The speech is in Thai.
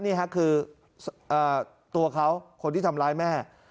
นี่ค่ะคือตัวเขาคนที่ทำร้ายแม่